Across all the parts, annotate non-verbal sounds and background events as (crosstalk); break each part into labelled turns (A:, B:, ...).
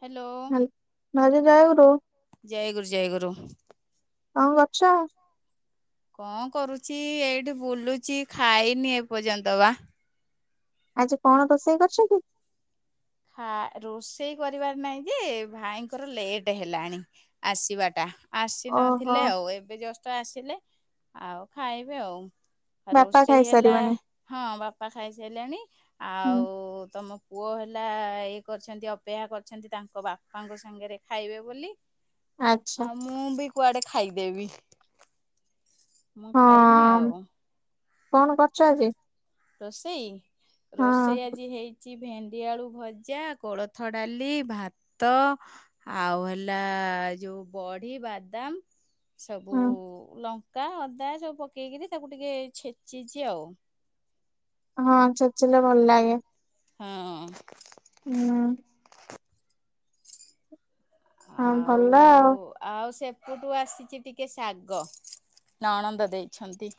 A: Hello
B: ହା ଭାଉଜ ଜୟଗୁରୁ
A: ଜୟଗୁରୁ ଜୟଗୁରୁ
B: କଣ କରୁଛ?
A: କଣ କରୁଛି ଏଇଠି ବୁଲୁଛି ଖାଇନି ଏପର୍ଯ୍ୟନ୍ତ ବା
B: ଆଜି କଣ ରୋଷେଇ କରିଛ କି?
A: ଖା ରୋଷେଇ କରିବାର ନାହିଁ ଯେ ଭାଇଙ୍କର ଲେଟ ହେଲାଣି। ଆସିବାଟା
B: ଓହୋ
A: ଆସିନଥିଲେ ଆଉ ଏବେ ଜଷ୍ଟ ଆସିଲେ ଆଉ ଖାଇବେ ଆଉ ଆଉ
B: ବାପା
A: ରୋଷେଇ ହେଲା
B: ଖାଇସାରିବେଣି
A: ହଁ ବାପା ଖାଇସାରିଲାଣି
B: ହୁଁ
A: ଆଉ ତମ ପୁଅ ହେଲ ଆ ଇଏ କରିଛନ୍ତି ଅପେକ୍ଷା କରିଛନ୍ତି ତାଙ୍କ ବାପାଙ୍କ ସାଙ୍ଗରେ ଖାଇବେ ବୋଲି
B: ଆଚ୍ଛା
A: ଆଉ ମୁଁ ବି କୁଆଡେ ଖାଇଦେବି। ମୁଁ ଖାଇନି
B: ହଁ।
A: ଆଉ
B: କଣ କରୁଛ ଆଜି?
A: ରୋଷେଇ
B: ହଁ
A: ରୋଷେଇ ଆଜି ହେଇଛି କି ଭେଣ୍ଡି ଆଳୁ ଭଜା କୋଳଥ ଡାଲି ଭାତ ଆଉ ହେଲା ଯୋଉ ବଢି ବାଦାମ ସବୁ
B: ହଁ
A: ଲଙ୍କା ଅଦା ସବୁ ପକେଇକରି ତାକୁ ଟିକେ ଛେଚିଛି ଆଉ
B: ହଁ ଛେଚିଲେ ଭଲ ଲାଗେ
A: ହଁ
B: ହୁଁ ହଁ
A: ଆଉ
B: ଭଲ ଆଉ
A: ଆଉ ସେପଠୁ ଆସିଛି ଟିକେ ଶାଗ ନଣନ୍ଦ ଦେଇଛନ୍ତି।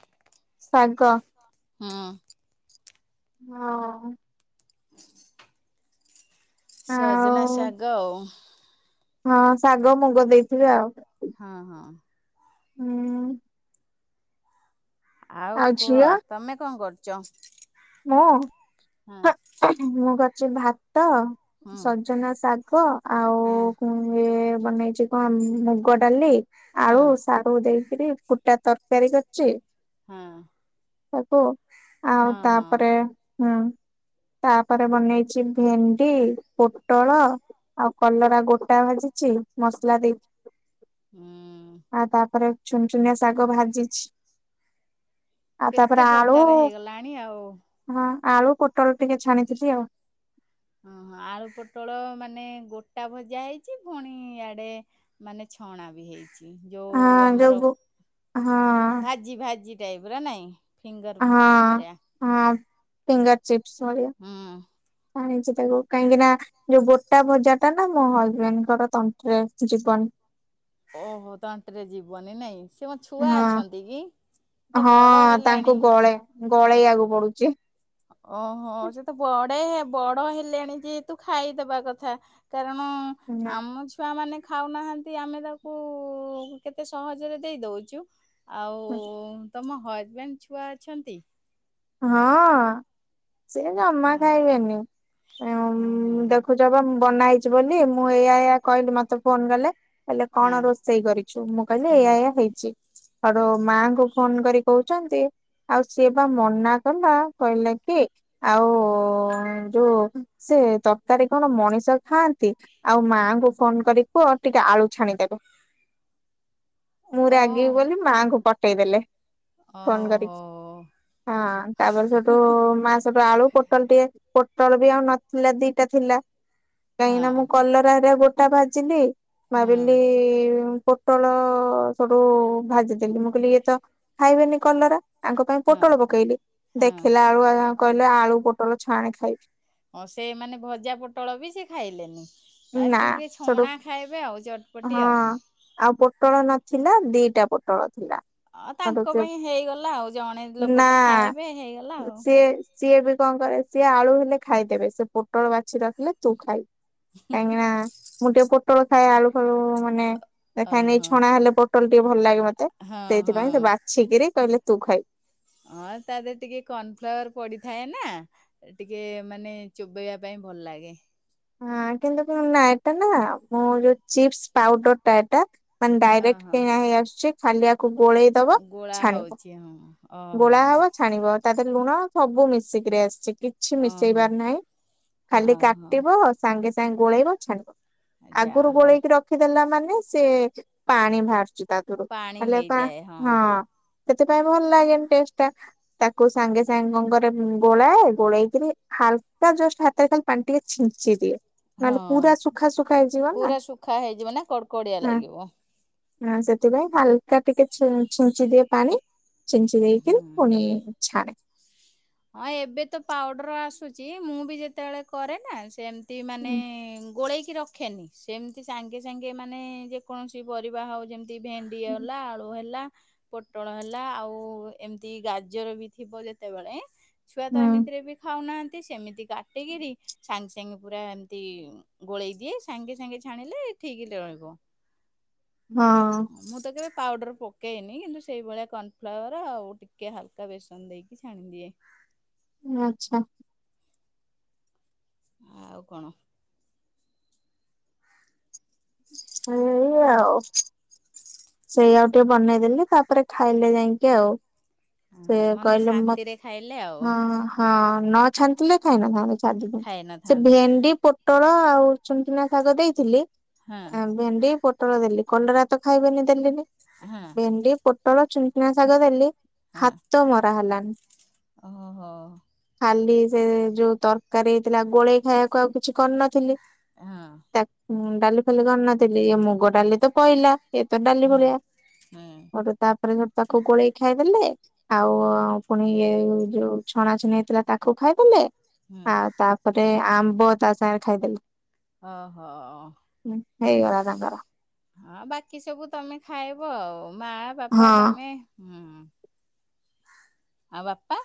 B: ଶାଗ
A: ହୁଁ।
B: ହଁ।
A: ହଁ (inaudible)
B: ଆଉ
A: ସଜନା ସାଗ ଆଉ
B: ହଁ ଶାଗ ମୁଗ ଦେଇଥିବେ ଆଉ
A: ହଁ ହଁ
B: ହୁଁ
A: ଆଉ କୁହ ତମେ କଣ କରୁଛ?
B: ମୁଁ
A: ହଁ
B: ମୁଁ କରିଛି ଭାତ
A: ହଁ
B: ସଜନା ଶା ଗ ଆଉ
A: ହଁ
B: ଇଏ ବନେଇଛି କଣ ମୁଗ ଡାଲି
A: ହଁ
B: ଆଳୁ ହଉ ଦେଇକିରି ଫୁଟା ତରକାରୀ କରିଛି।
A: ହଁ
B: ତାକୁ ଆଉ
A: ହଁ
B: ତା
A: ହଁ
B: ହୁଁ ତାପରେ ବନେଇଛି ଭେଣ୍ଡି ପୋଟଳ ଆଉ କଲରା ଗୋଟା ଭାଜିଛି ମସଲା ଦେଇକି
A: ହୁଁ
B: ଆଉ ତାପରେ ଛୁନ ଛୁନିଆ ଶାଗ ଭାଜିଛି। ଆଉ ତାପରେ
A: କେତେ
B: ଆଳୁ
A: ପ୍ରକାର ହେଇଗଲାଣି ଆଉ।
B: ହଁ ଆଳୁ ପୋଟଲ ଟିକେ ଛାଣିଥିଲି ଆଉ।
A: ଓହୋ ଆଳୁ ପୋଟଳ ମାନେ ଗୋଟା ଭଜା ହେଇଛି ପୁଣି ଇଆଡ଼େ ମାନେ ଛଣା ବି ହେଇଛି। ଯୋଉ
B: ହଁ
A: ଆମର
B: ଗୁ- ହଁ
A: ଭାଜି ଭାଜି ଟାଇପ ର ନାଇଁ। ଫିଙ୍ଗର
B: ହଁ
A: ଭଳିଆ
B: ହଁ ଫିଙ୍ଗର ଚିପ୍ସ ଭଳିଆ
A: ହୁଁ।
B: ଆଣିଛି ତାକୁ କାହିଁକି ନା ଯୋଉ ଟା ଭଜା ଟା ନା ମୋ ହଜବେଣ୍ଡଙ୍କର ତଣ୍ଟି ରେ ଜୀବନି
A: ଓହୋ ତଣ୍ଟିରେ ଯିବନି ନାଇଁ ସେ କଣ ଛୁଆ
B: ହଁ
A: ଅଛନ୍ତି କି ତ
B: ହଁ
A: ବଡ଼
B: ତାଙ୍କୁ
A: ହେଲେଣି
B: ଗଳେ ଗଳେଇବାକୁ ପଡୁଛି।
A: ଓହୋ ସେତ ବଡ ବଡ ହେଲେଣି ଯେ ତୁ ଖାଇଦବା କଥା। କାରଣ
B: ନା
A: ଆମ ଛୁଆମାନୋନ ଖାଉନାହାନ୍ତି ଆମେ ତାକୁ କେତେ ସହଜରେ ଦେଇ ଦଉଛୁ ଆଉ ତମ ହଜବେଣ୍ଡ ଛୁଆ ଅଛନ୍ତି?
B: ହଁ ସିଏ ଜମା
A: ହଁ
B: ଖାଇବେନି
A: ଉଁ ହୁଁ
B: ଦେଖୁଛ ଜବା ମୁଁ ବନା ହେଇଛି ବୋଲି ମୁଁ ଏଇୟଏଇୟା କହିଲି ମତେ ଫୋନ କଲେ ହେଲେ
A: ହଁ
B: କଣ ରୋଷେଇ କରିଛୁ ମୁଁ କହିଲି
A: ହୁଁ
B: ଏଇଆ ଏୟଆ ହେଇଛି ଆଡ ମାଙ୍କୁ ଫୋନ କରି କହୁଛନ୍ତି ଆଉ ସିଏ ବା ମ ମନା କଲା କହିଲା କି ଆଉ ଯୋଉ ସେ ତକାରୀ କଣ ମଣିଷ ଖାଆନ୍ତି? ଆଉ ମାଆଙ୍କୁ ଫୋନ କରି କୁହ ଟିକେ ଆଳୁ ଛାଣିଦେବେ। ମୁଁ
A: ଓ
B: ରାଗିବି ବୋଲି ମାଙ୍କୁ ପକେଇଦେଲେ।
A: ଓହୋ
B: ହଁ ତାପରେ ସେଠୁ ମା ସେଠୁ ଆଳୁ ପୋଟଲ ଟିକେ ପୋଟଲ ବି ଆଉ ନଥିଲା ଦିଟା ଥିଲା କାହିଁକି ନା ମୁଁ
A: ହଁ
B: କଲରାରେ ଗୋଟା ଭାଜିଲି
A: ହଁ
B: ଭାବିଲି ପୋଟଳ ସବୁ ଭାଜି ଦେେଲି ମୁଁ କହିଲି ଇଏ ତ ଖାଇବନି କଲରା ଆଙ୍କ ପାଇଁ
A: ହଁ
B: ପୋଟଳ ପକେଇଲି
A: ହଁ
B: ଦେଖିଲା କହିଲେ ଆଳୁ ପୋଟଲ ଛାଣେ ଖାଇବି।
A: ହଁ ସେମାନୋନେ ଭଜା ପୋଟଳ ବି ସେ
B: ନା
A: ଖାଇଲେନିିକ
B: ସେଠୁ
A: ଛଣା ଖାଇବେ ଆଉ
B: ହଁ
A: ଚଟପଟି ଆଉ
B: ଆଉ ପୋଟଳ ନଥିଲା ଦିଟା ପୋଟଳ ଥିଲା
A: ଅ
B: ସେଠୁ
A: ତାଙ୍କ
B: ସେ
A: ପାଇଁ ହେଇଗଲା ଆଉ ଜଣେ
B: ନା
A: ଲୋକ ତ ଖାଇବେ ହେଇଗଲା ଆଉ।
B: ସିଏ ସିଏ ବି କଣ କରେ ସିଏ ଆଳୁ ହେଲେ ଖାଇଦେବେ ସେ ପୋଟଳ ବାଛି ରଖିଲେ ତୁ ଖାଇବୁ। କାଙ୍ଗନା ମୁଣ୍ଡେ ପୋଟଳ ଖାଇଏ ଆଳୁ ଳୁ ମାନେ ଦେଖାନ
A: ଓହୋ।
B: ଛଣା ହେଲେ ପୋଟଲ ଟିକେ ଭଲ ଲାଗେ ମତେ
A: ହଁ
B: ସେଇଥିପାଇଁ ସେ
A: ହଁ
B: ବା ଶୀଘ୍ରରେ କହିଲେ ତୁ ଖାଇବୁ।
A: ହଁ ତାାରରେ ଟିକେ କର୍ଣଫ୍ଲାୱାର ପଡିଥାଏ ନା ଟିକେ ମାନେ ଚୋବେଇବା ପାଇଁ ଭଲ ଲାଗେ।
B: ହଁ କିନ୍ତୁ ନା ଏଟା ନା ମୁଁ ଯୋଉ ଚିପ୍ସ ପାଉଡର ଟା ଏଟା ମାନେ
A: ହଁ
B: ଡାଇରେକ୍ଟ
A: ହଁ।
B: କିଣା ହେଇ ଆସୁଛି ଖାଲି ଆକୁ ଗୋଳେଇ ବ
A: ଗୋଳା
B: ଛାଣିବ
A: ହଉଛି ହଁ ଓହୋ
B: ଗୋଳା ହବ ଛାଣିବ। ତା ତରେ ଲୁଣ ସବୁ ମିଶିକିରି ଆସିଛି କିଛି
A: ଓହୋ
B: ମିଶେଇବାର ନାହିଁ ଖାଲିା
A: ଓହୋ।
B: ସାଙ୍ଗେ ସାଙ୍ଗେ ଗୋଳେଇଛାଣିବ
A: ଯା
B: ଆଗରୁ
A: ହଉ
B: ଗୋଳେଇକି ରଖ ରଖିଦେଲା ମାନେ ସେ ପାଣି ବାହାରୁଛି ତା ଧରୁ
A: ପାଣି
B: ହେଲେ ପା
A: ହେଇଯାଏ
B: ହଁ ସେଥିପାଇଁ ଭଲ ଲାଗେନି ଟେଷ୍ଟ ଟା ତାକୁ ସାଙ୍ଗେ ସାଙ୍ଗଙ୍କରେ ଗୋଳାଏ ଗୋଳେଇକରି ହାଲକା ଜଷ୍ଟ ହାତରେ ପାଣି ଟିକେ ଯି ଦିଏ
A: ହଁ
B: ନହେଲେ ପୁରା ସୁଖା ସୁୁଖା ହେଇଯିବ ନା
A: ପୁରା ଶୁଖା ହେଇଯିବ ନା କଡକଡିଆ
B: ହଁ
A: ଲାଗିବ
B: ହଁ ସେଥିପାଇଁ ହାଲକା ଟିକେ ଛିଞ୍ଚି ଦିଏ ପାଣି ଚିଞ୍ଚ ଦେଖ କୁ
A: ହୁଁ।
B: ଇ୍ଛାାରେ
A: ହଁ ଏବେ ତ ପାଉଡର ଆସୁଛି ମୁଁ ବି ଯେତେବେଳେ କରେ ନା ସେ ମାନେ
B: ହୁଁ
A: ଗୋଳେଇକି ରଖ ଖେନି ସେମିତି ସାଙ୍ଗେ ସାଙ୍ଗେମାନୋନେ ଯେକୌଣସି ପରିବା ହେଉ ଯେମତି ଭେଣ୍ଡି ହେଲା ଆଳୁ ହେଲା ପୋଟଳ ହେଲା ଆଉ ଏମିତି ଗାଜର ବି ଥିବ ଯେତେବେଳେ ଛୁଆ ତ ଏମିତିରେ ବି ଖାଉନାହାନ୍ତି। ସେମିତି କାଟିକିରି ସାଙ୍ଗେ ସାଙ୍ଗେ ପୁରା ଏମିତି ଗୋଳେଇ ଦିଏ ସାଙ୍ଗେ ସାଙ୍ଗେ ଛାଣିଲେ ଠିକ ରହିବ।
B: ହଁ।
A: ମୁଁ ତ କେବେ ପାଉଡ଼ର ପକାଇନି କିନ୍ତୁ ସେଇଭଳିଆ କର୍ଣ୍ଣଫ୍ଲାୱର ଆଉ ଟିକେ ହାଲକା ବେସନ ଦେଇକି ଛାଣିଦିଏ।
B: ଆଚ୍ଛା।
A: ଆଉ କଣ?
B: ସେଇ ଆଉ ସେଇ ଆଉ ଟିକେ ବନେଇଦେଲି ତାପରେ ଖାଇଲେ ଯାଇକି ଆଉ। ସେ
A: ହଁ ମନ
B: କହିଲେ ମ
A: ଶାନ୍ତିରେ ଖାଇଲେ ଆଉ
B: ହ ହଁ ନ ଛାଣିଥିଲେ ଖାଇନଥାନ୍ତେ।
A: ଖାଇ
B: ସେ
A: ନଥାନ୍ତେ
B: ଭେଣ୍ଡି ପୋଟଳ ପୋଟଳ ଆଉ ଛୁନୁଛୁନିଆ ଶାଗ ଦେଇଥିଲି
A: ହଁ
B: ଆ ଭେଣ୍ଡି ପୋ ପୋଟଳ ଦେଲି। କଲରା ତ ଖାଇବେନି ଦେଲିନି।
A: ହଁ।
B: ଭେଣ୍ଡି, ପୋଟଳ, ଛୁନ୍‌ଛୁନିଆ ଶାଗ ଦେଲି।
A: ହଁ
B: ହାତ ମରା ହେଲାନି।
A: ଓହୋ
B: ଖାଲି ସେ ଯୋଉ ତରକାରୀ ହେଇଥିଲା ଗୋଳେଇ ଖାଇବାକୁ ଆଉ କିଛି କରିନଥିଲି?
A: ହଁ।
B: ତା ଡାଲି ଫାଲି କରିନଥିଲି। ମୁଗ ଡାଲି ତ ପଇଲା। ତ ଡାଲି
A: ହୁଁ
B: ଭଳିଆ
A: ହୁଁ
B: ସେଇଟୁ ତାପରେ ତାକୁ ଗୋଳେଇ ଖାଇଦେଲେ। ଆଉ ପୁଣି ଇଏ ଯୋଉ ଛଣା ଛନ ହେଇଥିଲା ତାକୁ ଖାଇଦେଲେ।
A: ହୁଁ
B: ଆଉ ତାପରେ ଆମ୍ବ ତା ସାଙ୍ଗରେ ଖାଇଦେଲି।
A: ଓହୋ
B: ହେଇଗଲା ତାଙ୍କର।
A: ହଁ ବାକି ସବୁ ତମେ ଖାଇବ ମା, ବାପା,
B: ହଁ
A: ତମେ ହୁଁ। ଆଉ ବାପା?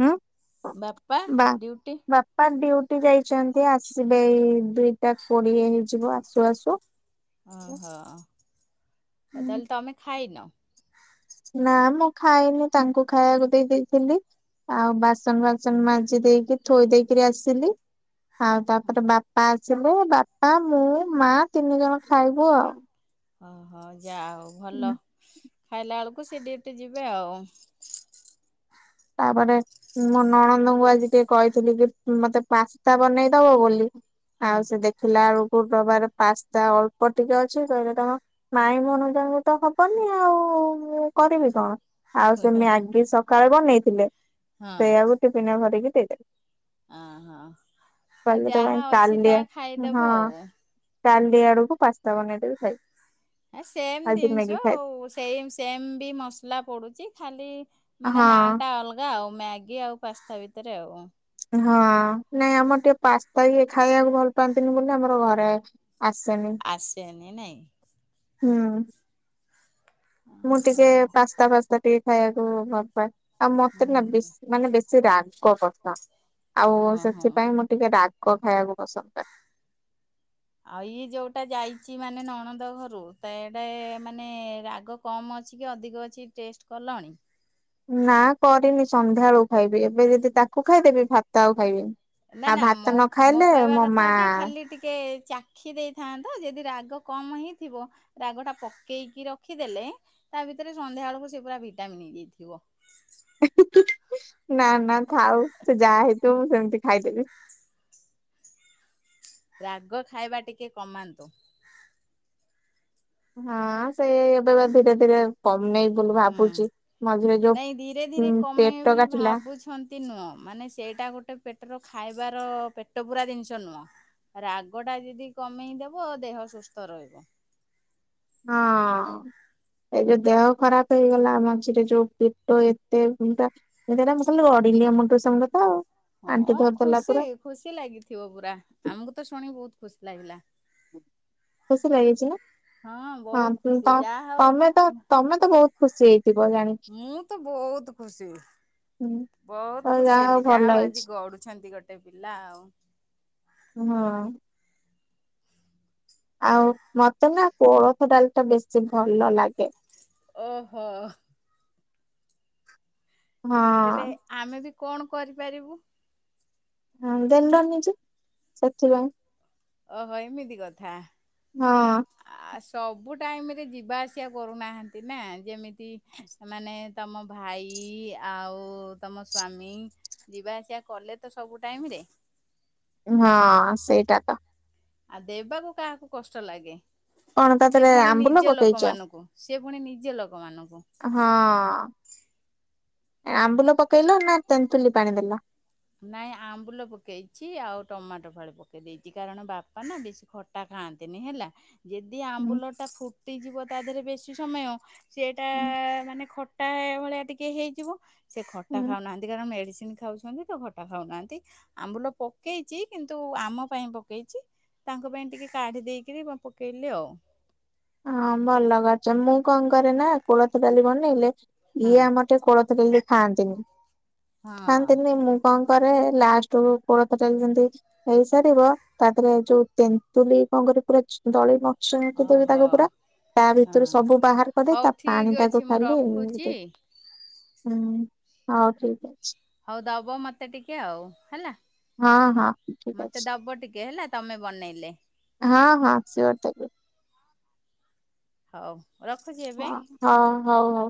B: ହୁଁ
A: ବାପା ଡ୍ୟୁଟି
B: ବାପା ଡ୍ୟୁଟି ଯାଇଛନ୍ତି। ଆସିବେ ଏଇ ଦୁଇଟା କୋଡିଏ ହେଇଯିବ ଆସୁ ଆସୁ।
A: ଓହୋ, ତାହେଲେ ତମେ ଖାଇନ?
B: ନା ମୁଁ ଖାଇନି ତାଙ୍କୁ ଖାଇବାକୁ ଦେଇ ଦେଇଥିଲି। ଆଉ ବାସି ବାସନ ବାସନ ମାଜି ଦେଇକି ଥୋଇ ଦେଇକରି ଆସିଲି। ଆଉ ତାପରେ ବାପା ପା ଆସିଲେ ବାପା ମୁଁ ମା ତିନି ଜଣ ଖାଇବୁ ଆଉ।
A: ଓହୋ ଯାହା ହଉ ଭଲ ଖାଇଲା ବେଳକୁ ସେ ଡ୍ୟୁଟି ଯିବେ ଆଉ।
B: ତାପରେ ମୁଁ ନଣନ୍ଦଙ୍କୁ ଆଜି ଟିକେ କହିଥିଲି କି ମତେ ପାସ୍ତା ବନେଇଦବ ବୋଲି?
A: ହଁ
B: ଆଉ ସେ ଦେଖିଲା ବେଳକୁ ଡବାରେ ପାସ୍ତା ଅଳ୍ପ ଟିକେ ଅଛି କହିଲେ ତମ ମାଇଁ ଭଣଜା କୁ ତ ହବନି ଆଉ ମୁଁ କରିବି କଣ? ଆଉ ସେ ମ୍ୟାଗି ସକାଳେ ବନେଇଥିଲେ।
A: ହଁ
B: ସେଇଆକୁ ଟିଫିନ ଭରିକି ଦେଇଦେଲି।
A: ହଁ ହଁ ଆଉ
B: କହିଲେ ତମେ
A: ଯାହା ଅଛି
B: କାଲି
A: ତାହା ଖାଇଦବ
B: ଆସ
A: ଆଉ
B: କାଲି ଆଡକୁ ପାସ୍ତା ବନେଇଦେବି ଖାଇବ।
A: ଏ ସେମ୍
B: ଆଜି ମ୍ୟାଗି
A: ଜିନିଷ
B: ଖାଇଦି
A: ଆଉ ସେମ୍ ସେମ ବି ମସଲା ପଡୁଛି ଖାଲି ମାନେ
B: ହଁ
A: ନା ଟା ଅଲଗା। ଆଉ ମ୍ୟାଗି ଆଉ ପାସ୍ତା ଭିତରେ ଆଉ।
B: ହଁ ନାଇଁ ଆମର ଟିକେ ପାସ୍ତା ଏ ଖାଇବାକୁ ଭଲ ପାଆନ୍ତିନି ବୋଲି ଆମର ଘରେ ଆସେନି।
A: ଆସେନି ନାଇଁ?
B: ହୁଁ। ମୁଁ ଟିକେ
A: ଓହୋ।
B: ପାସ୍ତା ଫାସ୍ତା ଟିକେ ଖାଇବାକୁ ଭଲ ପାଏ। ଆଉ ମତେ ନା
A: ହୁଁ
B: ବେଶୀ ମାନେ ବେଶୀ ରାଗ ପସନ୍ଦ ଆଉ
A: ହଁ ହଁ।
B: ସେଥିପାଇଁ ମୁଁ ଟିକେ ରାଗ ଖାଇବାକୁ ପସନ୍ଦ କରେ। (inaudible)
A: ଆଉ ଇ ଯୋଉଟା ଯାଇଛି ମାନେ ନଣଦ ଘରୁ ତ ଏଇଟା ମାନେ ରାଗ କମ୍ ଅଛି କି ଅଧିକ ଅଛି ଟେଷ୍ଟ କଲଣି?
B: ନା କରିନି ସନ୍ଧ୍ୟା ବେଳକୁ ଖାଇବି ଏବେ ଯଦି ତାକୁ ଖାଇଦେବି ଭାାତତା ଆଉ ଖାଇବି
A: ନା ନା ମୁଁ ମୁ କହିବା
B: ମା
A: କଥା କି ଖାଲି ଟିକେ ଚା ରଖି ଦେଇଥାନ୍ତ ଯଦି ରାଗ କମ ହେଇଥିବ ରାଗ ଟା ପକେଇକି ରଖିଦେଲେ ତା ଭିତରେ ସନ୍ଧ୍ୟାବେଳକୁ ସେ ପୁରା ଭିଟାମିନ ହେଇଯାଇଥିବ।
B: ନା ନା ଥାଉ ସେ ଯାହା ହେଇଥିବ ମୁଁ ସେମତି ଖାଇଦେବି।
A: ରାଗ ଖାଇବା ଟିକେ କମାନ୍ତୁ।
B: ହଁ ସେ ଏବେ ବା ଧୀରେ ଧୀରେ କମେଇ ବୋଲି
A: ହୁଁ।
B: ଭାବୁଛି ମଝିରେ
A: ନାଇଁ
B: ଯୋଉ ଉ ପେଟ କାଟିଲା
A: ଏତି ନୁହଁ ମାନେ ସେଇଟା ଗୋଟେ ପେଟର ଖାଇବାର ପେଟ ପୂରା ଜିନିଷ ନୁହଁ। ରାଗ ଟା ଯଦି କମେଇଦବ ଦେହ ସୁସ୍ଥ ରହିବ।
B: ହଁ-ଅ-ଅ। ଏ ଯୋଉ ଦେହ ଖରାପ ହେଇଗଲା ମଝିରେ ଯୋଉ ପେଟ ଏତେ ବିନ୍ଧା। ଏ ଏରା ମୁଁ ଖାଲି ଗଡିଲି ଏ ମୁଣ୍ଡୁ ସେ ମୁଣ୍ଡୁ ତ।
A: ହଁ-ଅ-ଅ ଖୁସି ଖୁସି ଲାଗିଥିବ ପୁରା ଆମକୁ ତ ଶୁଣିିକି ବହୁତ ଖୁସି ଲାଗିଲା।
B: ଖୁସି ଲାଗିଛି
A: ହଁ
B: ନା
A: ବହୁତ
B: ହଁ
A: ଖୁସି
B: ତ
A: ଯାହା ହଉ
B: ତମେ ତ ତମେ ତ ବହୁତ ଖୁସି ହେଇ ଥିବ ଜାଣି
A: ମୁଁ ତ ବହୁତ ଖୁସି।
B: ତ
A: ବହୁତ ଖୁସି
B: ଯାହା
A: ହେଲି ଯା
B: ଭଲ
A: ହଉ ଆଜି
B: ହେଇଛି
A: ଗଡ଼ୁଛନ୍ତି ଗୋଟେ ପିଲା ଆଉ।
B: ହଁ। ଆଉ ମତେ ନା କୋଳଥ ଡାଲି ଟା ବେଶୀ ଭଲ ଲାଗେ।
A: ଓହୋ। ହେଲେ
B: ହଁ।
A: ଆମେ ବି କଣ କରିପାରିବୁ।
B: ହଁ (unintelligible) ସେଥିପାଇଁ।
A: ଓହୋ ଏମିତି କଥା।
B: ହଁ।
A: ଆ ସବୁ ଟାଇମ ରେ ଯିବା ଆସିବା କରୁନାହାନ୍ତି ନା ଯେମିତି ମାନେ ତମ ଭାଇ-ଇ-ଇ ଆଉ-ଉ-ଉ ତମ ସ୍ଵାମୀ। ଯିବା ଆସିବା କଲେ ତ ସବୁ ଟାଇମ ରେ।
B: ହଁ ସେଇଟା ତ।
A: ଆଉ ଦେବାକୁ କାହାକୁ କଷ୍ଟ ଲାଗେ
B: କଣ ତା
A: ସିଏ
B: ଦେହରେ
A: ପୁଣି
B: ଆମ୍ବୁଲ
A: ନିଜ
B: ପକେଇଛ?
A: ଲୋକମାନଙ୍କୁ୍। ସେ ପୁଣି ନିଜ ଲୋକମାନଙ୍କୁ।
B: ହଁ-ଅ-ଅ ଆମ୍ବୁଲ ପକେଇଲ ନା ତେନ୍ତୁଲି ପାଣି ଦେଲ?
A: ନାଇଁ ଆମ୍ବୁଲ ପକେଇଛି ଆଉ ଟମାଟୋ ଫାଳେ ପକେଇ ଦେଇଛି କାରଣ ବାପା ନା ବେଶୀ ଖଟା ଟା ଖାଆନ୍ତିନି ହେଲା। ଯେଦି
B: ଦେଲ?
A: ଆମ୍ବୁଲଟା ଫୁଟିଯିବ ତା ଦେହରେ ବେଶୀ ସମୟ
B: ଉଁ
A: ସେଟା-ଆ-ଆ ମାନେ ଖ ଟା-ଆ-ଆ ଭଳିଆ ଟିକେ ହେଇଯିବ ସେ ଖଟା
B: ହୁଁ
A: ଖାଉନାହାନ୍ତି କାରଣ ମେଡିସିନ ଖାଉଛନ୍ତି ତ ଖଟା ଖାଉନାହାନ୍ତି। ଆମ୍ବୁଲ ପକେଇଛି କିନ୍ତୁ ଆମ ପାଇଁ ପକେଇଛି। ତାଙ୍କ ପାଇଁ ଟିକେ କାଢ଼ି ଦେଇକିରି ବା ପକେଇଲି ଆଉ।
B: ହଁ ଭଲ କରିଛ ମୁଁ କଣ କରେ ନା କୋଳଥ ଡାଲି ବନେଇଲେ
A: ହଁ
B: ଇଏ ଆମର ସେ କୋଳଥ ଡାଲି ଖାଆନ୍ତିନି
A: ହଁ
B: ଖାଆନ୍ତିନି ମୁଁ କଣ କରେ ଲାଷ୍ଟକୁ କୋଳଥ ଡାଲି ଯେମିତି ହେଇସାରିବ ତା ପରେ ଯୋଉ ତେନ୍ତୁଲି କଣ କରେ ପୁରା ଚ ଦଳି ମକଚି ଦେବି
A: ଓହୋ
B: ତାକୁ ପୁରା ତା
A: ହଁ
B: ଭିତରୁ ସବୁ ବାହାର କରି
A: ହଉ
B: ତା ପାଣି
A: ଠିକ ଅଛି
B: ଟାକୁ
A: ମୁଁ
B: ଖାଲି-ଇ-ଇ
A: ରଖୁଛି
B: ଦେ ହୁଁ ହଉ ଠିକ ଅଛି।
A: ହଉ ଦବ ମତେ ଟିକେ ଆଉ ହେଲା।
B: ହଁ ହଁ ଠିକ
A: ମତେ
B: ଅଛି
A: ଦବ ଟିକେ ହେଲା ତମେ ବନେଇଲେ।
B: ହଁ ହଁ ସିଓର ଦେବି।
A: ହଉ ରଖୁଛି ଏବେ।
B: ହଁ ହଉ ହଉ।